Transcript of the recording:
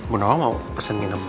bunawang mau pesen minum